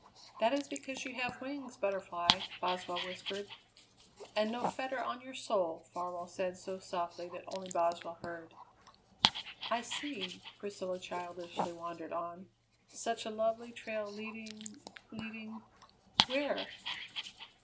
"That is because you have wings, Butterfly," Boswell whispered. "And no fetter on your soul," Farwell said so softly that only Boswell heard. "I see," Priscilla childishly wandered on, "such a lovely trail leading, leading where?"